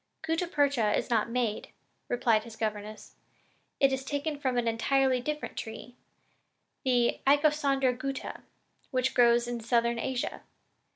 "Gutta percha is not made," replied his governess, "and it is taken from an entirely different tree, the Icosandra gutta, which grows in Southern Asia.